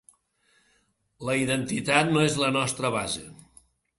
La identitat no és la nostra base.